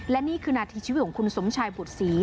และนี่คือนาทีชีวิตของคุณสมชายบุตรศรี